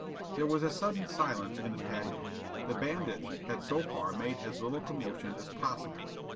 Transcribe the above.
There was a sudden silence in the patio. The bandits had so far made as little commotion as possible.